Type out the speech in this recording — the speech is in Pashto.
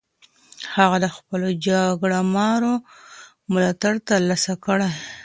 هغه د خپلو جګړه مارو ملاتړ ترلاسه کړ.